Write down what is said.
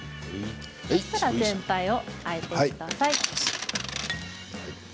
そしたら全体を、あえてください。